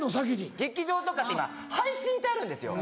劇場とかって今配信ってあるんですよ。